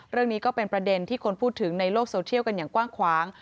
เรื่องนี้ก็เป็นประเด็นที่คนพูดถึงในโลกโซเทียลกันอย่างกว้างขวาง